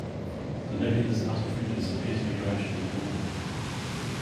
The nebula's outer fringes appear to be gradually warming.